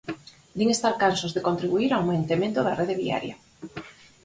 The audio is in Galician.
Din estar cansos de contribuír ao mantemento da rede viaria.